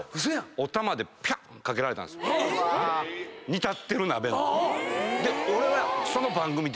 煮立ってる鍋の。